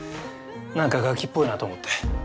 何かがきっぽいなと思って。